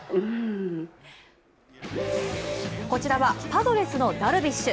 こちらはパドレスのダルビッシュ。